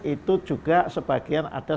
itu juga sebagian ada